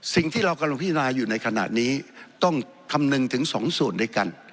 สิ่งที่เรากำลังพินาอยู่ในขณะนี้ต้องคำนึงถึงสองส่วนด้วยกัน